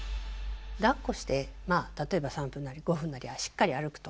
だっこして例えば３分なり５分なりしっかり歩くと。